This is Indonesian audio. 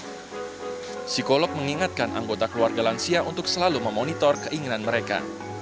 psikolog mengingatkan anggota keluarga lansia untuk selalu memonitor keinginan mereka